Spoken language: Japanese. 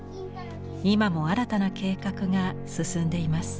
今も新たな計画が進んでいます。